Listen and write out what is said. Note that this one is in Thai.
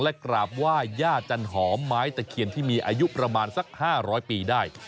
และกราบไหว้ย่าจันหอมไม้ตะเคียนที่มีอายุประมาณสัก๕๐๐ปีได้